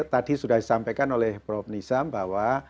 tadi sudah disampaikan oleh prof nizam bahwa